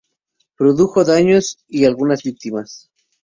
Produjo daños y algunas víctimas.